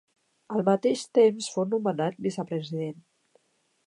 Al mateix temps fou nomenat vicepresident.